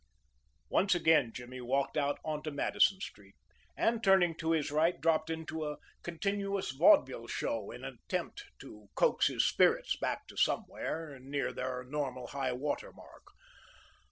Once again Jimmy walked out onto Madison Street, and, turning to his right, dropped into a continuous vaudeville show in an attempt to coax his spirits back to somewhere near their normal high water mark.